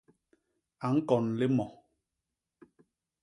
A ñkon limo.